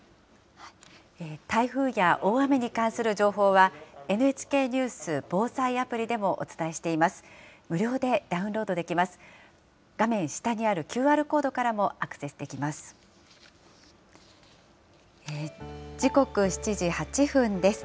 台風や大雨に関する情報は、ＮＨＫニュース・防災アプリでもお伝えしています。